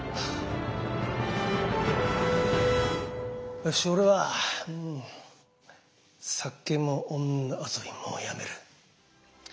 よし俺は酒も女遊びもやめる。